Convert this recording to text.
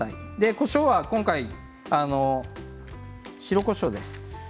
こしょうは今回白こしょうです。